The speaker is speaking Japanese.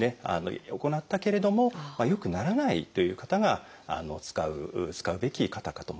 行ったけれども良くならないという方が使うべき方かと思います。